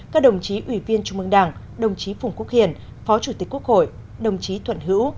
các đồng chí ủy viên trung mương đảng đồng chí phùng quốc hiền phó chủ tịch quốc hội đồng chí thuận hữu